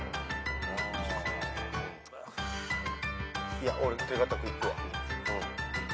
いや俺手堅くいくわ。